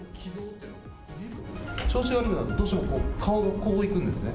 調子が悪くなると、どうしても顔がこういくんですね。